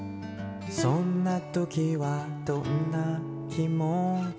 「そんな時はどんな気もち？」